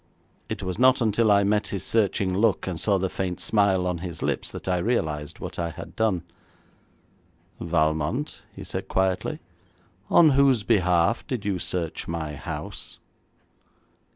It was not until I met his searching look, and saw the faint smile on his lips that I realised what I had done. 'Valmont,' he said quietly, 'on whose behalf did you search my house?'